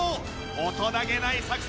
大人げない作戦。